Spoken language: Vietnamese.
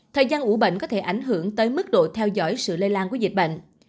thời gian ủ bệnh có thể ảnh hưởng tới mức độ theo dõi sự lây lan của dịch bệnh